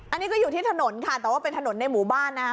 อันนี้ก็อยู่ที่ถนนค่ะแต่ว่าเป็นถนนในหมู่บ้านนะคะ